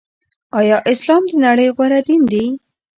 آيا اسلام دنړۍ غوره دين دې